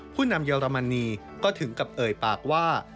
ผู้นำเยอรมนีก็ถึงกับเอ่ยปากว่า